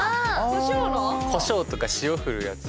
コショウとか塩ふるやつ？